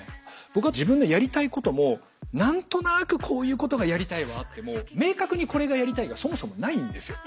僕は自分のやりたいことも「何となくこういうことがやりたい」はあっても「明確にこれがやりたい」がそもそもないんですよ。